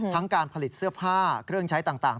การผลิตเสื้อผ้าเครื่องใช้ต่าง